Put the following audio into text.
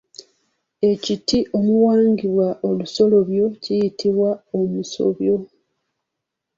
Ekiti omuwangibwa olusolobyo kiyitibwa Omusobyo.